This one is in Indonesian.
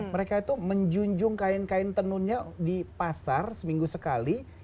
mereka itu menjunjung kain kain tenunnya di pasar seminggu sekali